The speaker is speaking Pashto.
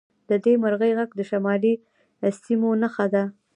د دې مرغۍ غږ د شمالي سیمو نښه ده